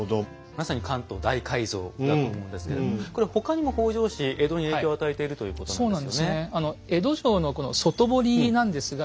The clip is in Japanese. まさに「関東大改造」だと思うんですけれどもこれ他にも北条氏江戸に影響を与えているということなんですよね。